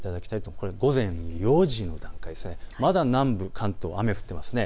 これは午前４時の段階、南部まだ雨が降っています。